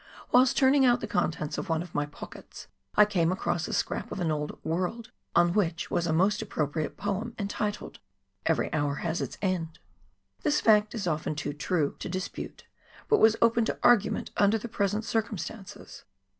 Whilst turning out the contents of one of my pockets I came across a scrap of an old World, on which was a most appropriate poem entitled, " Every hour has its end "; this fact is often too true to dispute but was open to argument under the present circumstances.